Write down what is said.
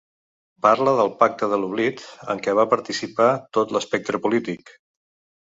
Parla del pacte de l’oblit en què va participar tot l’espectre polític.